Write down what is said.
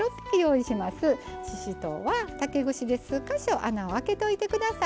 ししとうは竹串で数か所穴をあけておいてください。